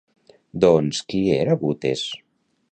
Doncs, qui era Butes?